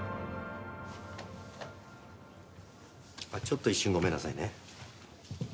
ちょっと一瞬ごめんなさいね。